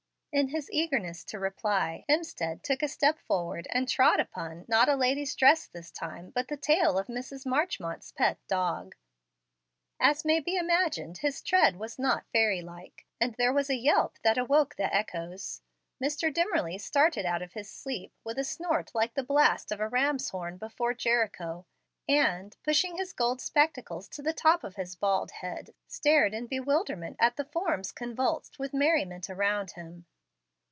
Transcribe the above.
In his eagerness to reply, Hemstead took a step forward and trod upon, not a lady's dress this time, but the tail of Mrs. Marchmont's pet dog. As may be imagined, his tread was not fairy like, and there was a yelp that awoke the echoes. Mr. Dimmerly started out of his sleep, with a snort like the blast of a ram's hom before Jericho, and, pushing his gold spectacles to the top of his bald head, stared in bewilderment at the forms convulsed with merriment around him.